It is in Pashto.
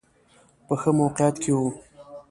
په ښه موقعیت کې و.